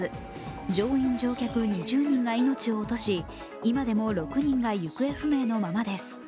乗員・乗客２０人が命を落とし今でも６人が行方不明のままです。